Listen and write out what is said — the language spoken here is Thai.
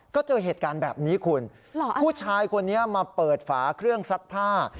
ก็เจอเหตุการณ์แบบนี้คุณผู้ชายคนนี้มาเปิดฝาเครื่องซักผ้า